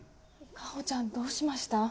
夏帆ちゃんどうしました？